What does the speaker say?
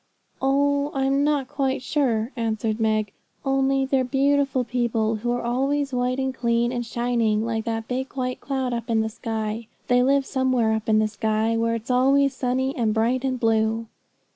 'Oh, I'm not quite sure,' answered Meg. 'Only they're beautiful people, who are always white and clean, and shining, like that big white cloud up in the sky. They live somewhere up in the sky, where it's always sunny, and bright, and blue.'